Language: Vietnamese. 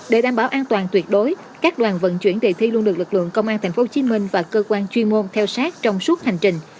để đảm bảo an toàn tuyệt đối các đoàn vận chuyển đề thi luôn được lực lượng công an tp hcm và cơ quan chuyên môn theo sát trong suốt hành trình